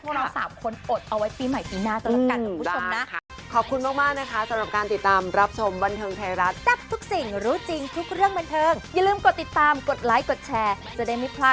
พวกเรา๓คนอดเอาไว้ปีใหม่ตีหน้าต่อละกันกับผู้ชมนะ